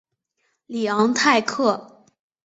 里昂泰克。